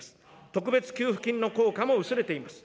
特別給付金の効果も薄れています。